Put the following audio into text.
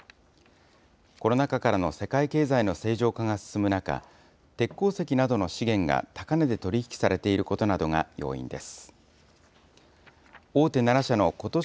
コロナ禍からの世界経済の正常化が進む中、鉄鉱石などの資源が高値で取り引きされていることなどが要因です。